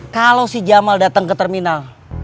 kalau si jamal datang ke terminal